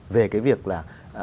về cái việc là